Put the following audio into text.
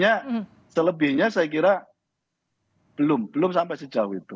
jadi selebihnya saya kira belum belum sampai sejauh itu